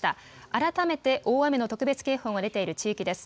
改めて大雨の特別警報が出ている地域です。